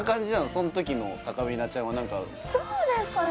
そん時のたかみなちゃんはどうですかね